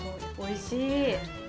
おいしい。